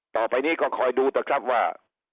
ต่อไปนี้ก็คอยดูเถอะครับว่า